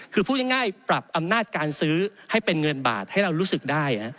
คือพูดง่ายปรับอำนาจการซื้อให้เป็นเงินบาทให้เรารู้สึกได้